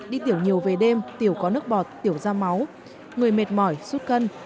đi tiểu nhiều về đêm tiểu có nước bọt tiểu ra máu người mệt mỏi sút cân